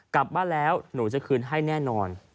กลับบ้านแล้วหนูจะคืนให้แน่นอน